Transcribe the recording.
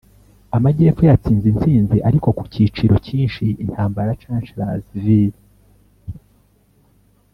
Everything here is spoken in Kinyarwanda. amajyepfo yatsinze intsinzi, ariko ku giciro cyinshi - intambara ya chancellorsville